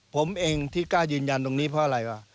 ผมเองที่กล้ายืนยันตรงนี้เพราะอะไรวะ